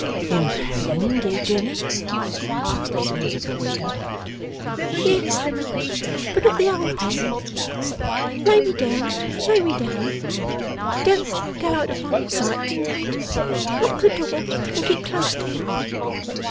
'In pain, dear Jenny?' asked Lizzie, as if awakened. 'Yes, but not the old pain. Lay me down, lay me down. Don't go out of my sight to night. Lock the door and keep close to me.